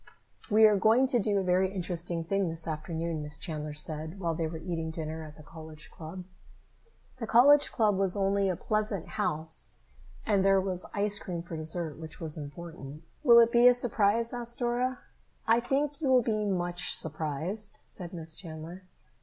"We are going to do a very interesting thing this afternoon," Miss Chandler said while they were eating dinner at the College Club. The Club was only a pleasant house, and there was ice cream for dessert, which was important. "Will it be a surprise?" asked Dora. "I think you will be much surprised," said Miss Chandler.